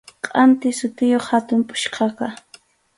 Kʼanti sutiyuq hatun puchkaqa.